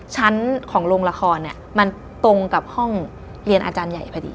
ชั้นของโรงละครเนี่ยมันตรงกับห้องเรียนอาจารย์ใหญ่พอดี